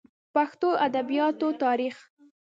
پښتو ادبياتو تاريخ